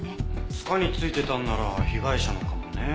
柄に付いてたんなら被害者のかもね。